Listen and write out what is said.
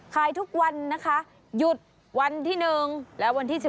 ขายทุกวันนะคะหยุดวันที่๑และวันที่๑